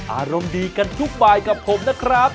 อารมณ์ดีกันทุกบายกับผมนะครับ